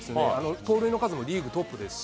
盗塁の数もリーグトップですし。